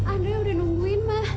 ando ya udah nungguin ma